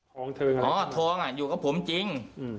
ของเธอครับอ๋อทองอยู่กับผมจริง